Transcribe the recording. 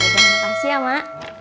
terima kasih ya emak